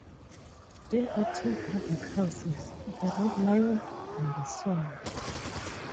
There are two public houses: The Red Lion and The Swan.